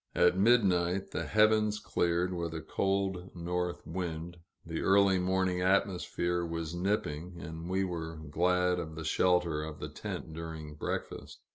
At midnight, the heavens cleared, with a cold north wind; the early morning atmosphere was nipping, and we were glad of the shelter of the tent during breakfast.